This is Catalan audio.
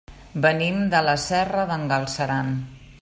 Venim de la Serra d'en Galceran.